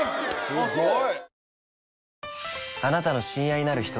すごい！